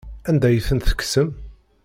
Anda ay tent-tekksem?